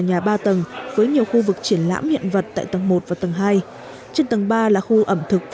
nhà ba tầng với nhiều khu vực triển lãm hiện vật tại tầng một và tầng hai trên tầng ba là khu ẩm thực